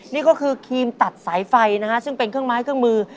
นี่ก็คือครีมตัดสายไฟนะฮะซึ่งเป็นเครื่องไม้เครื่องมือ